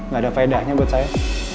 gak ada vedanya buat saya